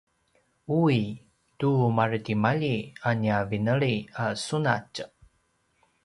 uwi tu maretimalji a nia vineli a sunatj